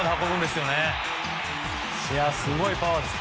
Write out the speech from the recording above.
すごいパワーです。